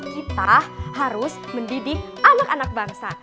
kita harus mendidik anak anak bangsa